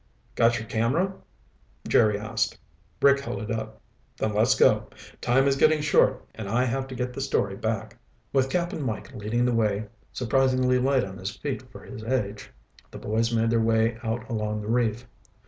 "Got your camera?" Jerry asked. Rick held it up. "Then let's go. Time is getting short and I have to get the story back." With Cap'n Mike leading the way, surprisingly light on his feet for his age, the boys made their way out along the reef.